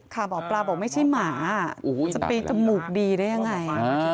ค่ะหมอปลาบอกว่าไม่ใช่หมาจะเปลี่ยนจมูกดีได้ยังไง